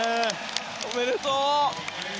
おめでとう！